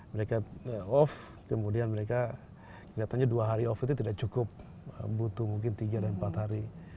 mereka off kemudian mereka kelihatannya dua hari off itu tidak cukup butuh mungkin tiga dan empat hari